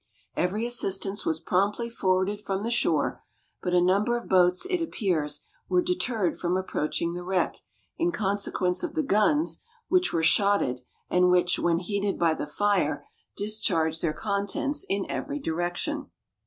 Every assistance was promptly forwarded from the shore, but a number of boats, it appears, were deterred from approaching the wreck, in consequence of the guns, which were shotted, and which, when heated by the fire, discharged their contents in every direction.